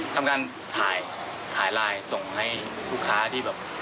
ทำการถ่ายถ่ายไลน์ส่งให้ลูกค้าที่แบบ